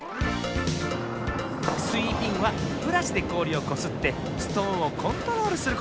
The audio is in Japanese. スウィーピングはブラシでこおりをこすってストーンをコントロールすること。